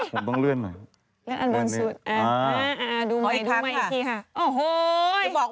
ผมต้องเลื่อนเหมือน